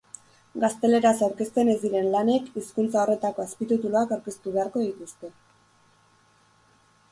Gazteleraz aurkezten ez diren lanek hizkuntza horretako azpitituluak aurkeztu beharko dituzte.